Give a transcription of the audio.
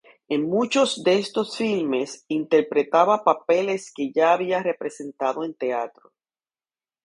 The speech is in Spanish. En muchos de estos filmes, interpretaba papeles que ya había representado en teatro.